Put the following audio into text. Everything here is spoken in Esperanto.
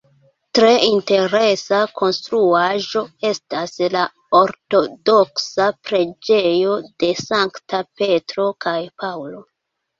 Tre interesa konstruaĵo estas la Ortodoksa preĝejo de Sankta Petro kaj Paŭlo.